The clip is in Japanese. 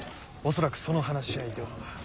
恐らくその話し合いでは。